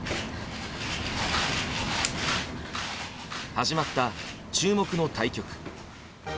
始まった注目の対局。